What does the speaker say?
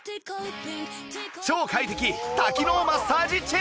超快適多機能マッサージチェアも